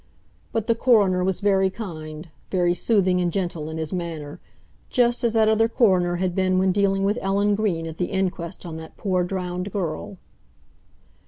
But the coroner was very kind, very soothing and gentle in his manner, just as that other coroner had been when dealing with Ellen Green at the inquest on that poor drowned girl.